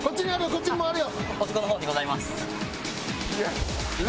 こっちもあるよ。